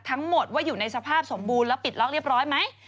ทั้งหมดว่าอยู่ในสภาพสมบูรณ์แล้วปิดล็อกเรียบร้อยไหม